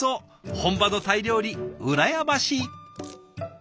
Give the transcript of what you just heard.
本場のタイ料理羨ましい。